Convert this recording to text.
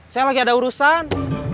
saya lagi ada urusan